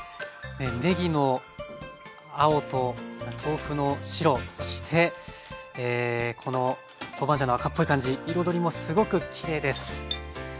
ねぎの青と豆腐の白そしてこのトーバンジャンの赤っぽい感じ彩りもすごくきれいです。